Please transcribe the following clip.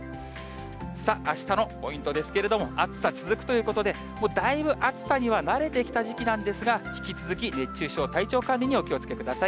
さあ、あしたのポイントですけれども、暑さ続くということで、もうだいぶ暑さには慣れてきた時期なんですが、引き続き、熱中症、体調管理にお気をつけください。